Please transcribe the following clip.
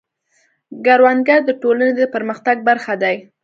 کروندګر د ټولنې د پرمختګ برخه دی